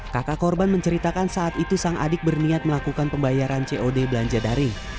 kakak korban menceritakan saat itu sang adik berniat melakukan pembayaran cod belanja daring